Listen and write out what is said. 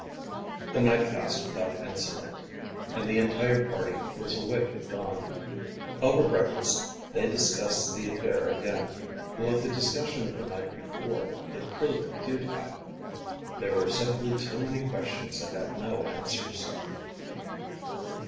The night passed without incident, and the entire party was awake at dawn. Over breakfast, they discussed the affair again. Like the discussion of the night before, it proved futile. There were simply too many questions that had no answers.